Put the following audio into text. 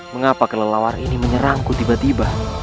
mengapa kelelawar ini menyerangku tiba tiba